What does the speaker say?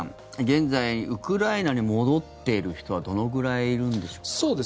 現在、ウクライナに戻っている人はどのくらいいるんでしょうか。